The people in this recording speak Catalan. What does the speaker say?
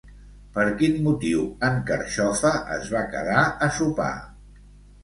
Per quin motiu en Carxofa es va quedar a sopar?